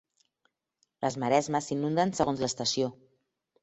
Les maresmes s'inunden segons l'estació.